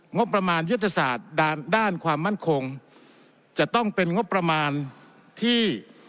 งบประมาณยุทธศาสตร์ด้านด้านความมั่นคงจะต้องเป็นงบประมาณที่